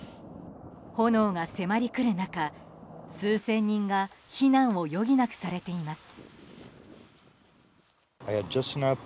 炎が迫りくる中、数千人が避難を余儀なくされています。